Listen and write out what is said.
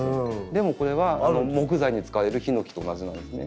でもこれは木材に使われるヒノキと同じなんですね。